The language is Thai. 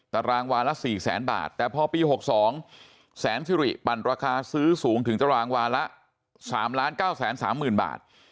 ตารางวาละ๔แสนบาทแต่พอปี๖๒แสนสิริปั่นราคาซื้อสูงถึงตารางวาละ๓๙๓๐๐๐บาท